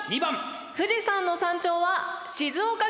富士山の山頂は静岡県。